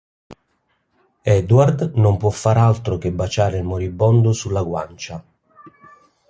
Edward non può fare altro che baciare il moribondo sulla guancia.